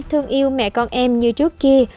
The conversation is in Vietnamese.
thương yêu mẹ con em như trước kia